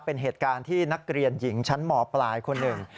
เป็นเหตุการณ์ที่นักเรียนหญิงชั้นหมอปลายคนหนึ่ง